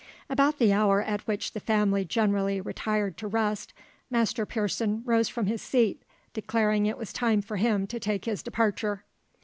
About the hour at which the family generally retired to rest, Master Pearson rose from his seat, declaring it was time for him to take his departure.